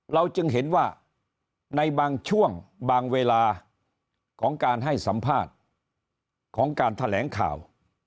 เราจึงเห็นว่าในบางช่วงบางเวลาของการให้สัมภาษณ์ของการแถลงข่าว